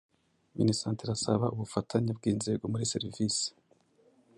minisante irasaba ubufatanye bw’inzego muri serivisi